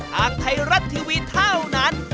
ทางไทยรัฐทีวีเท่านั้น